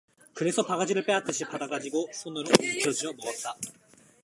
그래서 바가지를 빼앗듯이 받아 가지고 손으로 움켜쥐어 먹었다.